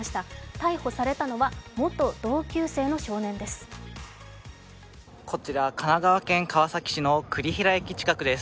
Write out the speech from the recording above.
逮捕されたのは元同級生の少年です。